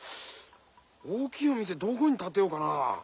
大きいお店どこにたてようかな？